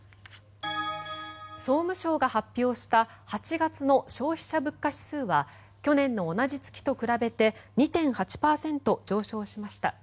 総務省が発表した８月の消費者物価指数は去年の同じ月と比べて２．８％上昇しました。